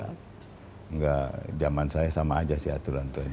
tidak zaman saya sama saja si aturan aturan itu